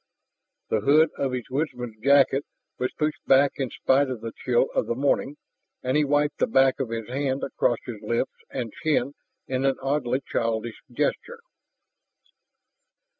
The hood of his woodsman's jacket was pushed back in spite of the chill of the morning, and he wiped the back of his hand across his lips and chin in an oddly childish gesture.